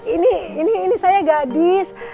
ini ini saya gadis